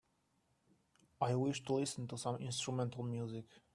I wish to listen to some instrumental music.